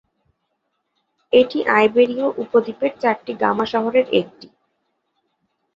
এটি আইবেরীয় উপদ্বীপের চারটি গামা শহরের একটি।